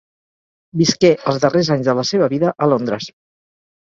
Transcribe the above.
Visqué els darrers anys de la seva vida a Londres.